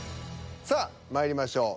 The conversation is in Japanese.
さあまいりましょう。